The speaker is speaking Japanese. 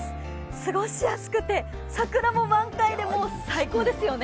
過ごしやすくて桜も満開で、もう最高ですよね。